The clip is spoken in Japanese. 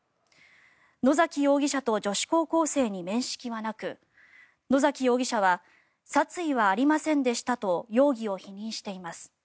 野嵜容疑者と女子高校生に面識はなく野嵜容疑者は殺意はありませんでしたと容疑を否認しています。